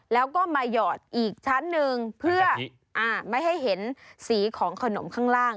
แล้วก็มาหยอดอีกชั้นหนึ่งเพื่อไม่ให้เห็นสีของขนมข้างล่าง